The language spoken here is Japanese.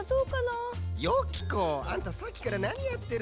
あんたさっきからなにやってるのよ。